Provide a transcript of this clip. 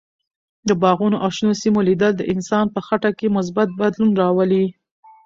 د باغونو او شنو سیمو لیدل د انسان په خټه کې مثبت بدلون راولي.